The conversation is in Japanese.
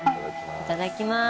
いただきます。